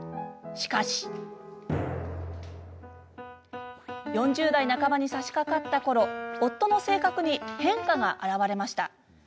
しかし４０代半ばに、さしかかったころ夫の性格に変化が現れました。